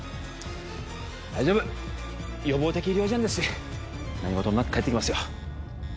大丈夫予防的医療事案ですし何事もなく帰ってきますよ